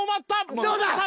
どうだ？